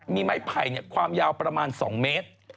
มีไม้ไผ่ความยาวประมาณ๒เมตร